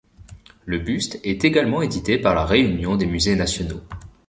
Le buste est également édité par la Réunion des musées nationaux.